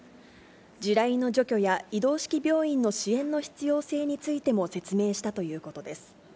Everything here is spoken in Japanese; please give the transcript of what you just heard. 地雷の除去や移動式病院の支援の必要性についても説明したということです。